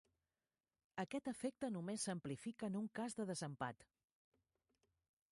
Aquest efecte només s'amplifica en un cas de desempat.